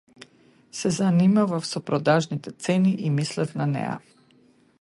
Се занимавав со продажните цени и мислев на неа.